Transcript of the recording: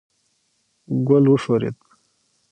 ګل وښورېد.